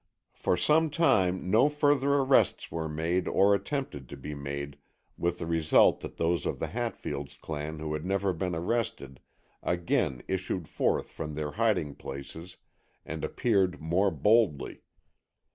For some time no further arrests were made or attempted to be made with the result that those of the Hatfield clan who had never been arrested, again issued forth from their hiding places and appeared more boldly.